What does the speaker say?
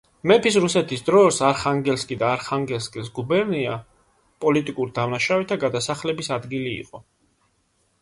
მეფის რუსეთის დროს არხანგელსკი და არხანგელსკის გუბერნია პოლიტიკურ დამნაშავეთა გადასახლების ადგილი იყო.